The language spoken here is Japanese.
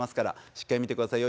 しっかり見てくださいよ。